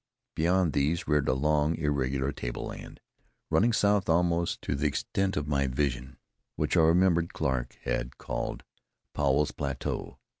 Beyond these reared a long, irregular tableland, running south almost to the extent of my vision, which I remembered Clarke had called Powell's Plateau.